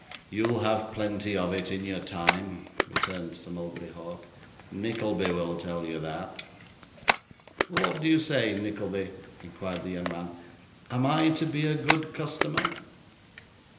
'You'll have plenty of it, in your time,' returned Sir Mulberry Hawk; 'Nickleby will tell you that.' 'What do you say, Nickleby?' inquired the young man; 'am I to be a good customer?